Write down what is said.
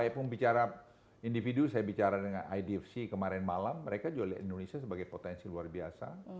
saya pun bicara individu saya bicara dengan idfc kemarin malam mereka jual indonesia sebagai potensi luar biasa